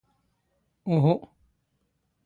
ⵓⵀⵓ.